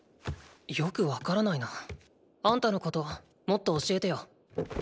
よくわからないなあんたのこともっと教えてよ。